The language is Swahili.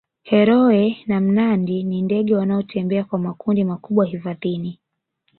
heroe na mnandi ni ndege wanaotembea kwa makundi makubwa hifadhini